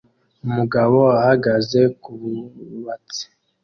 Umugabo ahagaze kububatsi